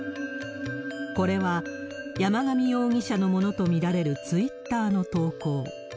これは、山上容疑者のものと見られる、ツイッターの投稿。